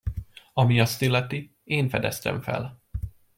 Ami azt illeti, én fedeztem fel.